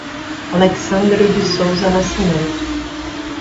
Alecsandro de Sousa Nascimento